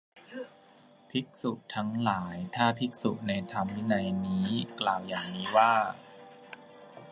ภิกษุทั้งหลาย ถ้าภิกษุในธรรมวินัยนี้กล่าวอย่างนี้ว่า